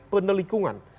bagian dari penelikungan